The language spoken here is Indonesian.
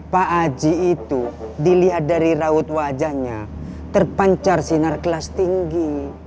pak aji itu dilihat dari raut wajahnya terpancar sinar kelas tinggi